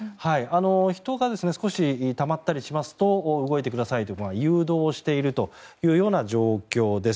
人が少したまったりしますと動いてくださいという誘導をしているというような状況です。